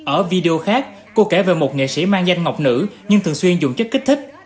ở video khác cô kể về một nghệ sĩ mang danh ngọc nữ nhưng thường xuyên dùng chất kích thích